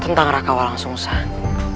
tentang raka mualang sumsang